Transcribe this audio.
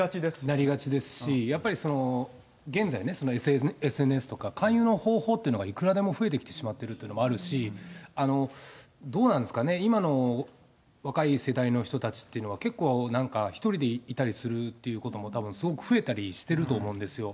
なりがちですし、やっぱり現在ね、ＳＮＳとか勧誘の方法というのがいくらでも増えてきてしまっているというのもあるし、どうなんですかね、今の若い世代の人たちっていうのは、結構なんか、１人でいたりするということも、たぶんすごく増えたりしていると思うんですよ。